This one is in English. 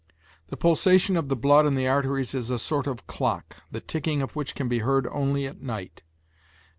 The pulsation of the blood in the arteries is a sort of clock, the ticking of which can be heard only at night.